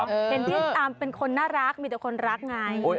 เห็นพี่ตามเป็นคนน่ารักมีแต่คนรักไง